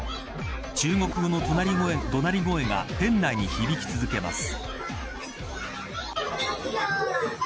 中国語の怒鳴り声が店内に響き続けます。